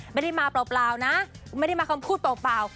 ไม่ได้มาเปล่านะไม่ได้มาคำพูดเปล่า